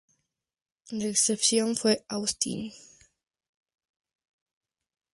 La excepción fue Austin.